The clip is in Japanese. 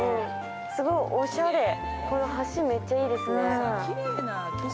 すごいおしゃれ、この橋めっちゃいいですね。